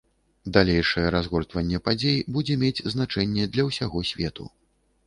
Далейшае разгортванне падзей будзе мець значэнне для ўсяго свету.